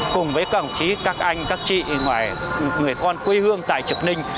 cùng với các ổng chí các anh các chị người con quỹ hương tại trực ninh